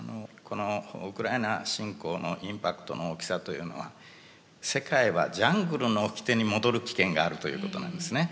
このウクライナ侵攻のインパクトの大きさというのは世界は「ジャングルの掟」に戻る危険があるということなんですね。